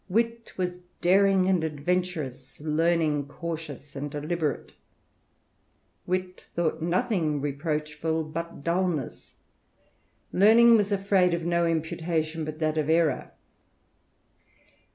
Wii ^*a HBa lose ^^hhgrei i 44 THE RAMBLER, daring and adventurous ; Learning cautious and deliberate. Wit thought nothing reproachful but dulness; Learning was afraid of no imputation but that of errour.